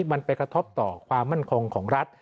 มันไปกระทบต่อความมั่นคงของรัฐ